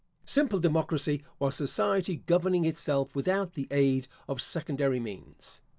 Simple democracy was society governing itself without the aid of secondary means.